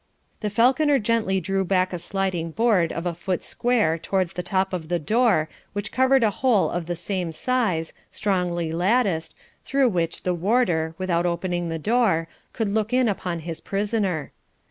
The falconer gently drew back a sliding board of a foot square towards the top of the door, which covered a hole of the same size, strongly latticed, through which the warder, without opening the door, could look in upon his prisoner.